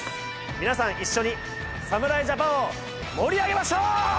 皆さん一緒に侍ジャパンを盛り上げましょう！